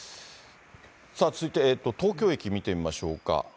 続いて東京駅、見てみましょうか。